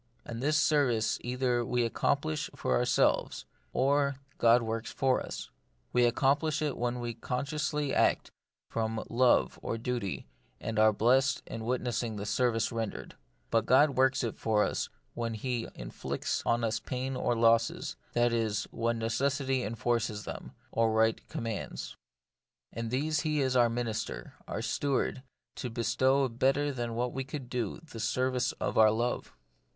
And this service either we accomplish for ourselves, or God works for us. We accom plish it when we consciously act from love or duty, and are blest in witnessing the service rendered. But God works it for us when He inflicts on us pains or losses ; that is, when necessity enforces them, or right commands. 90 The Mystery of Pain. In these He is our minister, our Steward, to bestow better than we could do the service of our love.